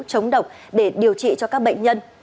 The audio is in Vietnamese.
chống độc để điều trị cho các bệnh nhân